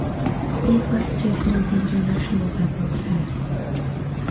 This was to oppose the International Weapons Fair.